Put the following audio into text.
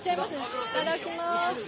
いただきます。